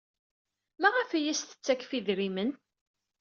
Maɣef ay as-tettakf idrimen?